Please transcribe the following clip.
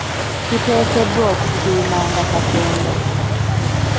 Tuteekeddwa okusiimanga Katonda.